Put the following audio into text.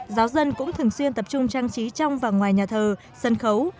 giáo dân cũng thường xuyên tập trung trang trí trong và ngoài nhà thờ sân khấu